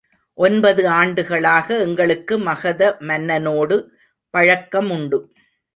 ஒன்பது ஆண்டுகளாக எங்களுக்கு மகத மன்னனோடு பழக்கமுண்டு.